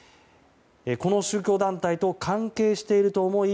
この宗教団体と関係していると思い